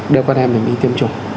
để con em mình đi tiêm chủ